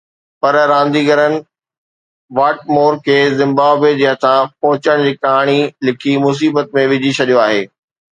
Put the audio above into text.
پر رانديگرن واٽمور کي زمبابوي جي هٿان پهچڻ جي ڪهاڻي لکي مصيبت ۾ وجهي ڇڏيو آهي